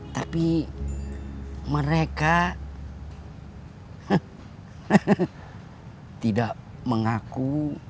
tapi mereka tidak mengaku